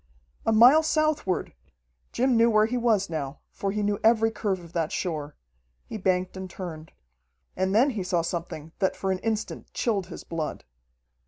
A mile southward! Jim knew where he was now, for he knew every curve of that shore. He banked and turned. And then he saw something that for an instant chilled his blood.